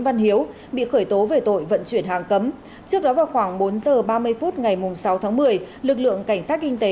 văn hiếu bị khởi tố về tội vận chuyển hàng cấm trước đó vào khoảng bốn h ba mươi phút ngày sáu tháng một mươi lực lượng cảnh sát kinh tế